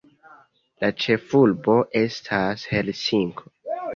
La ĉefurbo estas Helsinko.